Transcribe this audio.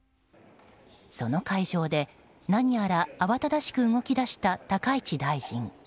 その会場で何やら慌ただしく動き出した高市大臣。